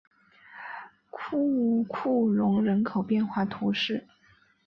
库库龙人口变化图示